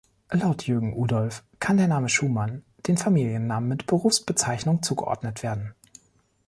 Laut Jürgen Udolph kann der Name "Schumann" den Familiennamen mit Berufsbezeichnungen zugeordnet werden.